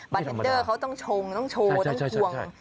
เทนเดอร์เขาต้องชงต้องโชว์ต้องทวง